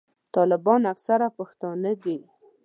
طالبان اکثره پښتانه دي.